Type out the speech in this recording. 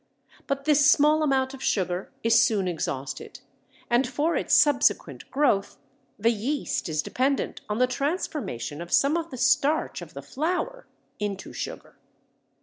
But this small amount of sugar is soon exhausted, and for its subsequent growth the yeast is dependent on the transformation of some of the starch of the flour into sugar.